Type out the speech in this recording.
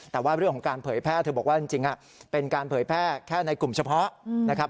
แต่ว่าเรื่องของการเผยแพร่เธอบอกว่าจริงเป็นการเผยแพร่แค่ในกลุ่มเฉพาะนะครับ